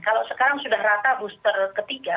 kalau sekarang sudah rata booster ketiga